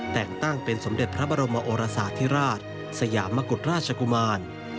แต่งตั้งเป็นสมเด็จพระบรมโอรสาธิราชสยามกุฎราชกุมาร